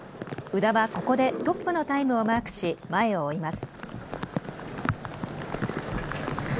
宇田はここでトップのタイムをマークし前を追います。